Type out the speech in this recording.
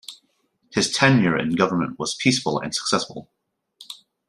His tenure in government was peaceful and successful.